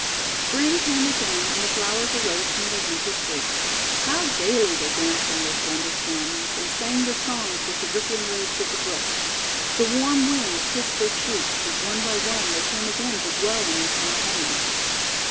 Spring came again, and the flowers arose from their Winter sleep. How gaily they danced on their slender stems, and sang their songs with the rippling waves of the brook. The warm winds kissed their cheeks, as one by one they came again to dwell in their summer homes.